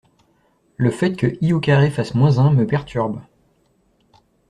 Le fait que i au carré fasse moins un me perturbe.